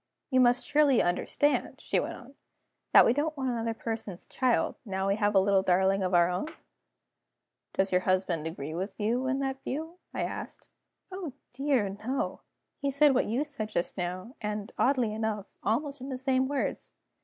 "You must surely understand," she went on, "that we don't want another person's child, now we have a little darling of our own?" "Does your husband agree with you in that view?" I asked. "Oh dear, no! He said what you said just now, and (oddly enough) almost in the same words.